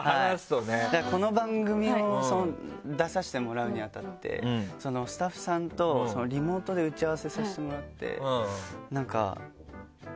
この番組出させてもらうにあたってスタッフさんとリモートで打ち合わせさせてもらって。